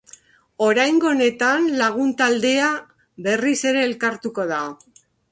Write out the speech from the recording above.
Oraingo honetan, lagun taldea berriz ere elkartuko da.